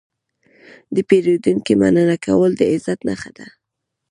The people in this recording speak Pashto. د پیرودونکي مننه کول د عزت نښه ده.